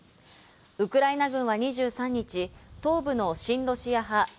ウクライナ軍は２３日、東部の親ロシア派